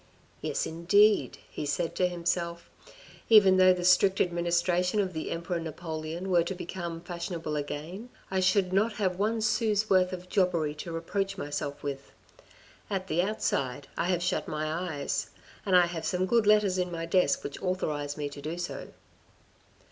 " Yes, indeed," he said to himself, " even though the strict administration of the Emperor Napoleon were to become fashionable again, I should not have one sou's worth of jobbery to reproach myself with ; at the outside, I have shut my eyes, and I have some good letters in my desk which authorise me to do so.